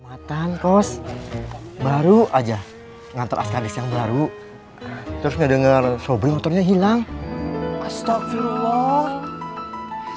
matan kos baru aja ngantor askadis yang baru terus ngedenger sobrang otornya hilang astagfirullah